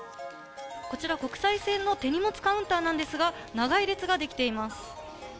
こちら国際線の手荷物カウンターなんですが、長い列が出来ています。